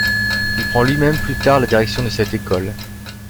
Il prend lui-même plus tard la direction de cette école.